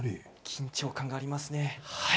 緊張感がありますね。